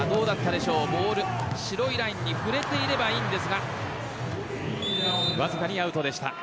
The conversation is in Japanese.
白いラインに触れていればいいんですがわずかにアウトでした。